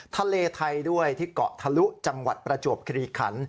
ทะเลไทยด้วยที่เกาะทะลุจังหวัดประจวบคลีขัน